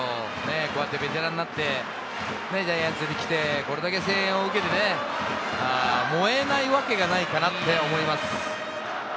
こうやってベテランになってジャイアンツに来て、これだけ声援を受けて、燃えないわけがないかなって思います。